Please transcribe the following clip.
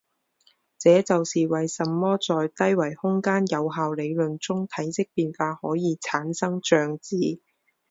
这就是为什么在低维空间有效理论中体积变化可以产生胀子。